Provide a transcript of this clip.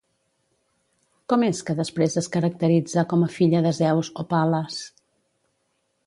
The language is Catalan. Com és que després es caracteritza com a filla de Zeus o Pal·las?